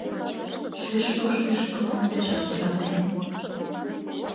— Шӱшпык шӱшкымым пешак йӧратем.